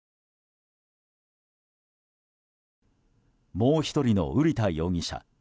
もう１人の瓜田容疑者。